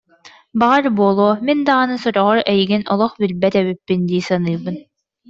Баҕар буолуо, мин даҕаны сороҕор эйигин олох билбэт эбиппин дии саныыбын